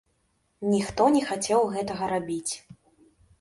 Ніхто не хацеў гэтага рабіць.